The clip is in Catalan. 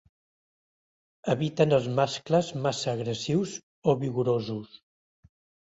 Eviten els mascles massa agressius o vigorosos.